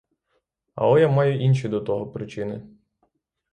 Але я маю інші до того причини.